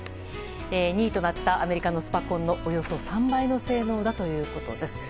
２位となったアメリカのスパコンのおよそ３倍の性能だということです。